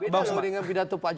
bagaimana dengan pidato pak jokowi